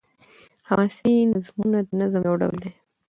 حماسي نظمونه د نظم يو ډول دﺉ.